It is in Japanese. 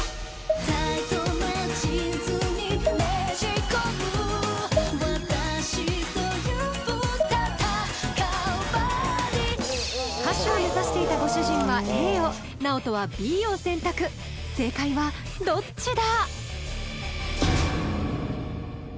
タイトなジーンズにねじ込むわたしという戦うボディ歌手を目指していたご主人はＡをＮＡＯＴＯはＢを選択正解はどっちだ？